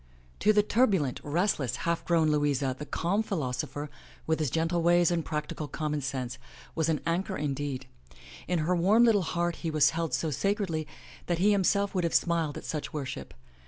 To the turbulent, restless, half grown Louisa the calm philos opher, with his gentle ways and practical common sense, was an anchor indeed. In her warm little heart he was held so sacredly that he himself would have smiled at such worship.